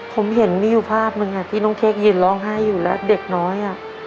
ผมเห็นมีอยู่ภาพหนึ่งที่น้องเค้กยืนร้องไห้อยู่แล้วเด็กน้อยอ่ะ